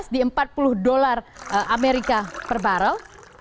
di empat puluh dolar amerika per barrel